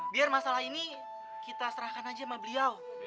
biar masalah ini kita serahkan aja sama beliau